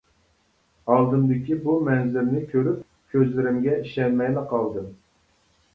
ئالدىمدىكى بۇ مەنزىرىنى كۆرۈپ كۆزلىرىمگە ئىشەنمەيلا قالدىم.